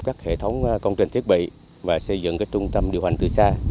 các hệ thống công trình thiết bị và xây dựng trung tâm điều hành từ xa